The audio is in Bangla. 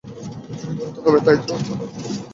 চুরি করতে হবে, তাই তো?